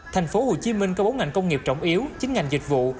thành phố hồ chí minh có bốn ngành công nghiệp trọng yếu chín ngành dịch vụ